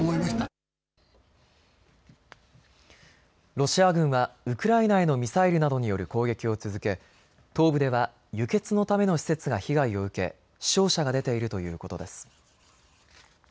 ロシア軍はウクライナへのミサイルなどによる攻撃を続け東部では輸血のための施設が被害を受け、死傷者が出ているということです。